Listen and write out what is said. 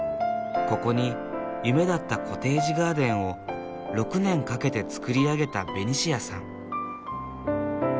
ここに夢だったコテージガーデンを６年かけて造り上げたベニシアさん。